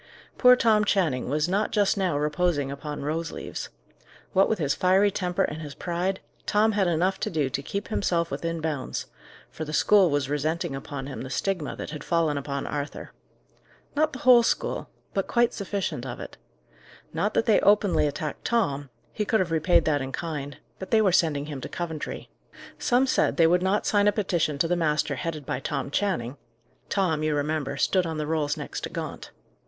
Poor Tom Channing was not just now reposing upon rose leaves. What with his fiery temper and his pride, Tom had enough to do to keep himself within bounds; for the school was resenting upon him the stigma that had fallen upon Arthur. Not the whole school; but quite sufficient of it. Not that they openly attacked Tom; he could have repaid that in kind; but they were sending him to Coventry. Some said they would not sign a petition to the master headed by Tom Channing: Tom, you remember, stood on the rolls next to Gaunt.